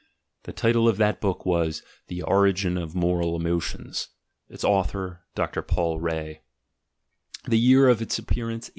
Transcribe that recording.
The title of the book was The Origin of the Moral Emotions; its author, Dr. Paul Ree; the year of its appearance, 1877.